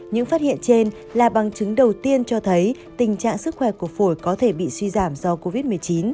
những phát hiện trên là bằng chứng đầu tiên cho thấy tình trạng sức khỏe của phổi có thể bị suy giảm do covid một mươi chín